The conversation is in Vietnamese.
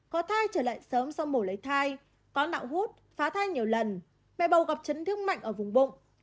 có thai trở lại sớm sau mổ lấy thai có nạo hút phá thai nhiều lần mẹ bầu gặp chấn thương mạnh ở vùng bụng